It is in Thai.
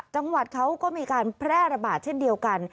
จังหวัดเขาก็มีการแพร่ระบาดเช่นเดียวกัน